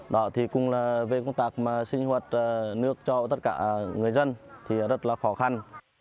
đó thì cũng là về công tác sinh hoạt nước cho tất cả người dân thì rất là khó khăn